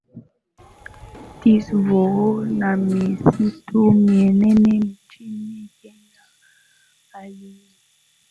Tsavo na misitu minene nchini Kenya Hali hii